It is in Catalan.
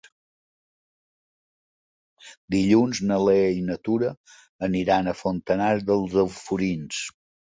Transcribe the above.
Dilluns na Lea i na Tura aniran a Fontanars dels Alforins.